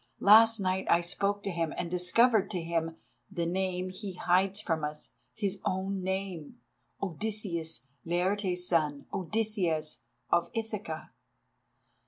Last night I spoke to him and discovered to him the name he hides from us, his own name, Odysseus, Laertes' son, Odysseus of Ithaca.